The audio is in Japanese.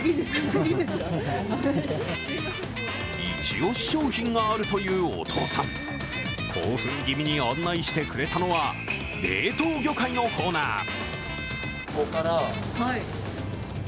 イチ押し商品があるというお父さん、興奮気味に案内してくれたのは冷凍魚介のコーナー。